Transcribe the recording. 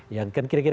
ya kan kira kira gitu